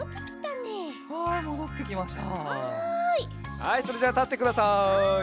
はいそれじゃあたってください。